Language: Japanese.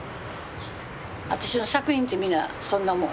私の作品ってみんなそんなもん。